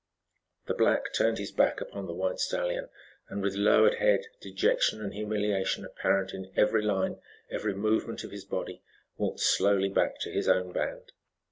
The black turned his back upon the white stallion, and with lowered head, dejection and humiliation apparent in every line, every movement of his body, walked slowly back to his own band.